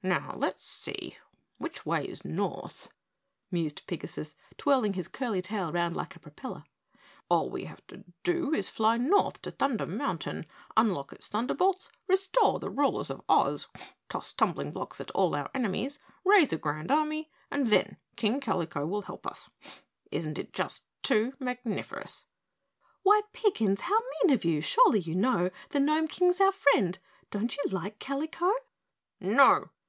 "Now, let's see, which way is north?" mused Pigasus, twirling his curly tail around like a propeller. "All we have to do is to fly north to Thunder Mountain, unlock its thunder bolts, restore the rulers of Oz, toss tumbling blocks at all enemies, raise a grand army and then, THEN King Kalico will help us. Isn't it just too magniferous!" "Why Piggins, how mean of you, surely you know The Gnome King's our friend, don't you like Kalico?" "No!"